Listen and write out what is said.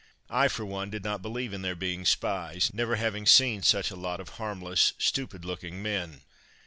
I, for one, did not believe in their being spies, never having seen such a lot of harmless, stupid looking men.